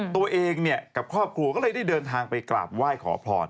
ตัวเองเนี่ยกับครอบครัวก็เลยได้เดินทางไปกราบไหว้ขอพร